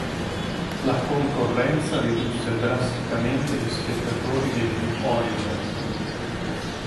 La concorrenza ridusse drasticamente gli spettatori degli Orioles.